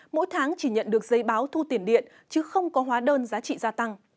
mỗi tháng chỉ nhận được giấy báo thu tiền điện chứ không có hóa đơn giá trị gia tăng